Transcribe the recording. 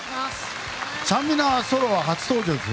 ちゃんみなはソロは初登場ですね。